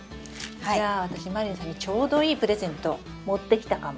じゃあ私満里奈さんにちょうどいいプレゼント持ってきたかも。